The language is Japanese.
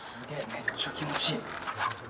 めっちゃ気持ちいい。